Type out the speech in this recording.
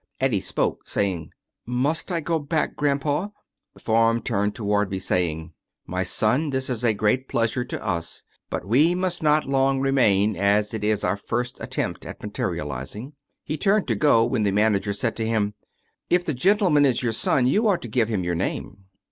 Eddie spoke, saying: " Must I go back, grandpa? " The form turned toward me, saying: " My son, this is a great pleasure to us, but we must not long remain, as it is our first attempt at materializing." He turned to go when the manager said to him :" If the gentleman is your son you ought to give him your name."